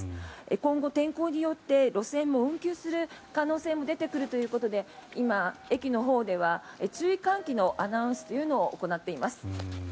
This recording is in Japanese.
今後、天候によって路線も運休する可能性が出てきているということで今、駅のほうでは注意喚起のアナウンスというのを行っています。